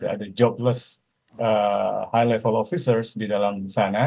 ada jobless high level officers di dalam sana